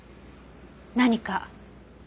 何か？